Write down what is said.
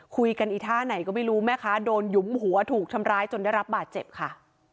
อีท่าไหนก็ไม่รู้แม่ค้าโดนหยุมหัวถูกทำร้ายจนได้รับบาดเจ็บค่ะ